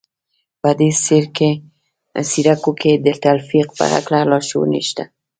په دې څپرکو کې د تلقین په هکله لارښوونې شته